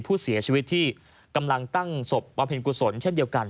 ผู้เสียชีวิตที่กำลังตั้งศพบำเพ็ญกุศลเช่นเดียวกัน